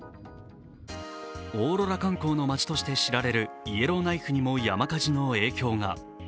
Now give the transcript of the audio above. オーロラ観光の町として知られるイエローナイフにも山火事の影響が。